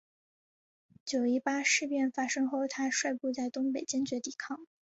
九一八事变发生后他率部在东北坚决抵抗。